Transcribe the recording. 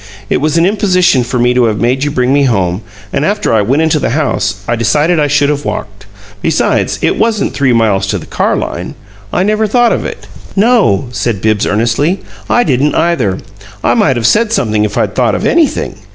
It was an imposition for me to have made you bring me home, and after I went into the house I decided I should have walked. Besides, it wasn't three miles to the car line. I never thought of it!" "No," said Bibbs, earnestly. "I didn't, either. I might have said something if I'd thought of anything.